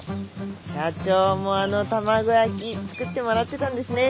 社長もあの卵焼き作ってもらってたんですね。